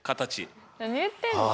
何言ってんの？